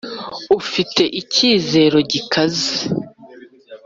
ufite icyizero gikaze.